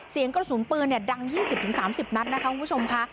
เสียงกระสุนปืนเนี่ยดังที่สิบถึงสามสิบนัดนะคะคุณผู้ชมค่ะ